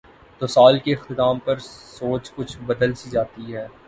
تو سال کے اختتام پر سوچ کچھ بدل سی جاتی ہے۔